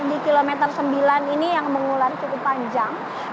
di kilometer sembilan ini yang mengular cukup panjang